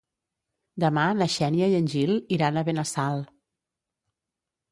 Demà na Xènia i en Gil iran a Benassal.